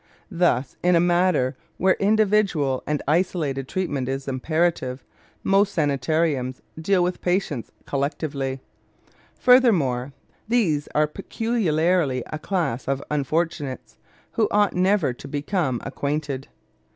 Thus, in a matter where individual and isolated treatment is imperative, most sanatoriums deal with patients collectively. Furthermore, these are peculiarly a class of unfortunates who ought never to become acquainted.